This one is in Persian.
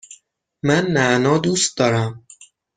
من نعنا دوست دارم.